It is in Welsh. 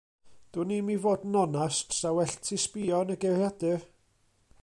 Dwnim i fod yn onast 'sa well ti sbïo yn y geiriadur.